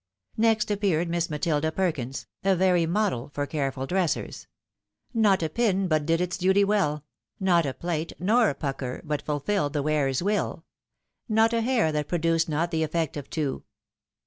Next appeared Miss Matilda Perkins, a very model for careful dressers. Not a pin but did its duty well ; not a plait nor a pucker but fulfilled the wearer's will, — ^not a hair that produced not the effect of two.